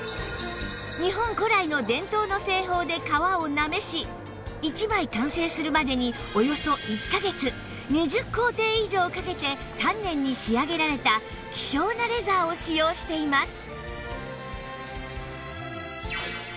日本古来の伝統の製法で皮をなめし一枚完成するまでにおよそ１カ月２０工程以上かけて丹念に仕上げられた希少なレザーを使用しています